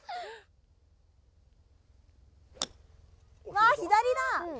わぁ左だ。